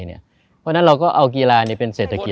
เพราะฉะนั้นเราก็เอากีฬาเป็นเศรษฐกิจ